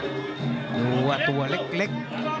ดูว่าตัวเล็ก